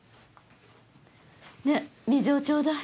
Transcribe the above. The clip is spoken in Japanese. ねえ水をちょうだい。